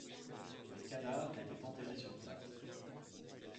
Les cadavres étaient enterrés sur place.